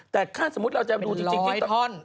แต่ถ้าสมมุติเราจะดูจริงจริงแต่เป็นร้อยท่อน